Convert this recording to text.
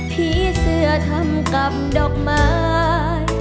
ผีเสื้อทำกับดอกไม้